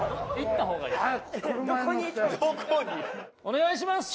「お願いします！」